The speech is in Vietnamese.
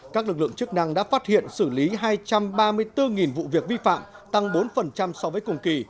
các lực lượng chức năng đã phát hiện xử lý hai trăm ba mươi bốn vụ việc vi phạm tăng bốn so với cùng kỳ